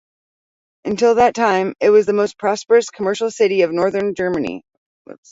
Until that time, it was the most prosperous commercial city of north Germany.